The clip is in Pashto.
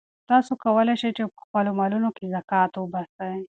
تاسو کولای شئ چې په خپلو مالونو کې زکات وباسئ.